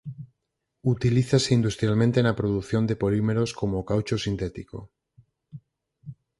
Utilízase industrialmente na produción de polímeros como o caucho sintético.